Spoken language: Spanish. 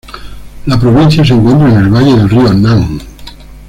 La provincia se encuentra en el valle del río Nan.